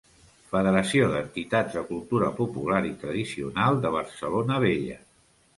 Federació d'Entitats de cultura popular i tradicional de Barcelona Vella.